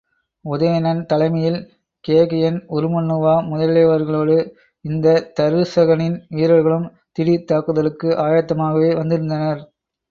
உதயணன் தலைமையில் கேகயன், உருமண்ணுவா முதலியவர்களோடு வந்த தருசகனின் வீரர்களும் தீடீர்த் தாக்குதலுக்கு ஆயத்தமாகவே வந்திருந்தனர்.